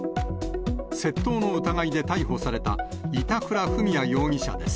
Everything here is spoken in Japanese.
窃盗の疑いで逮捕された、板倉史也容疑者です。